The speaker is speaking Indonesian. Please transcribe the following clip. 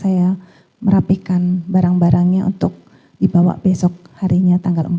karena saya merapikan barang barangnya untuk dibawa besok harinya tanggal empat